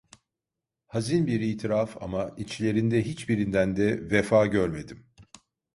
Hazin bir itiraf ama içlerinde hiçbirinden de vefa görmedim…